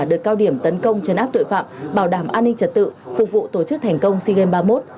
đợt cao điểm tấn công chấn áp tội phạm bảo đảm an ninh trật tự phục vụ tổ chức thành công sea games ba mươi một